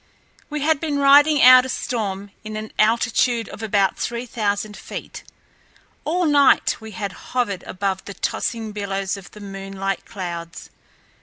We had been riding out a storm at an altitude of about three thousand feet. All night we had hovered above the tossing billows of the moonlight clouds.